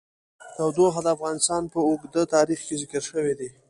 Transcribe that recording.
تودوخه د افغانستان په اوږده تاریخ کې ذکر شوی دی.